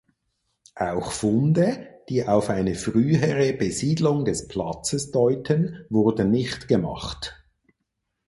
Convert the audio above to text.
Auch Funde, die auf eine frühere Besiedlung des Platzes deuten, wurden nicht gemacht.